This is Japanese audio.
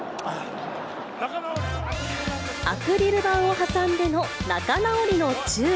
アクリル板を挟んでの仲直りのチュー。